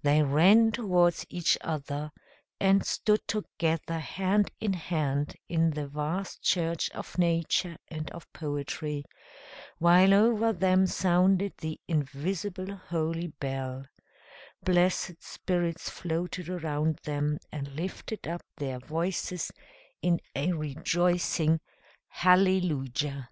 They ran towards each other, and stood together hand in hand in the vast church of nature and of poetry, while over them sounded the invisible holy bell: blessed spirits floated around them, and lifted up their voices in a rejoicing hallelujah!